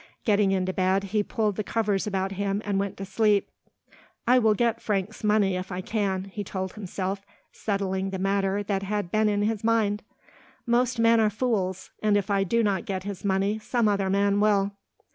Getting into bed he pulled the covers about him and went to sleep. "I will get Frank's money if I can," he told himself, settling the matter that had been in his mind. "Most men are fools and if I do not get his money some other man will."